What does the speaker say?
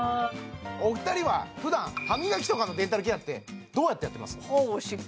お二人はふだん歯磨きとかのデンタルケアってどうやってやってます？